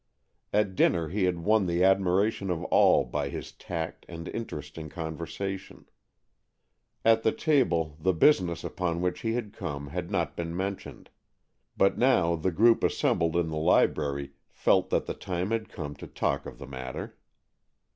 At dinner he had won the admiration of all by his tact and interesting conversation. At the table the business upon which he had come had not been mentioned, but now the group assembled in the library felt that the time had come to talk of the matter.